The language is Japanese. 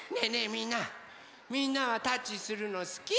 みんなみんなはタッチするのすき？